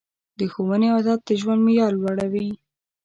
د ښوونې عادت د ژوند معیار لوړوي.